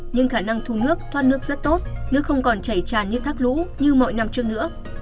nhưng khả năng thu nước thoát nước rất tốt nước không còn chảy tràn như thác lũ như mọi năm trước nữa